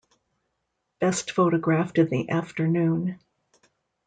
Best photographed in the afternoon.